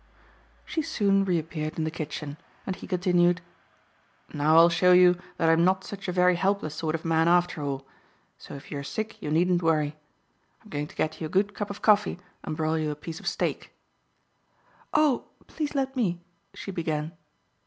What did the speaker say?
She soon reappeared in the kitchen, and he continued, "Now I'll show you that I'm not such a very helpless sort of man, after all; so if you're sick you needn't worry. I'm going to get you a good cup of coffee and broil you a piece of steak." "Oh! Please let me " she began.